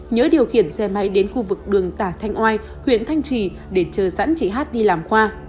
nhớ điều khiển xe máy đến khu vực đường tả thanh oai huyện thanh trì để chờ sẵn chị hát đi làm khoa